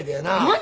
何！？